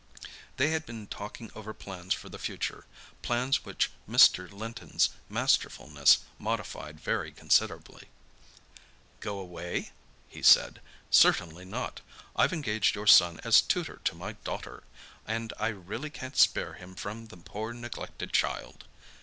They had been talking over plans for the future, plans which Mr. Linton's masterfulness modified very considerably. "Go away?" he said. "Certainly not! I've engaged your son as tutor to my daughter, and I really can't spare him from the poor neglected child!